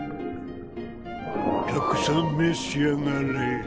たくさん召し上がれ。